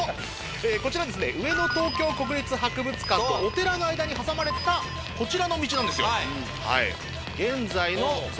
こちら上野東京国立博物館とお寺の間に挟まれたこちらの道なんですよ。